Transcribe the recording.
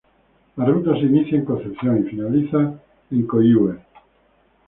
La Ruta se inicia en Concepción y finaliza en Coihue.